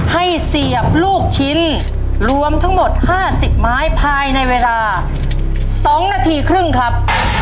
ให้เสียบลูกชิ้นรวมทั้งหมดห้าสิบไม้ภายในเวลาสองนาทีครึ่งครับ